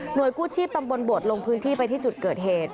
โดยกู้ชีพตำบลบทลงพื้นที่ไปที่จุดเกิดเหตุ